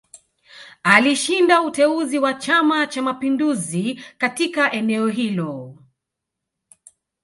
Alishinda uteuzi wa Chama Cha Mapinduzi katika eneo hilo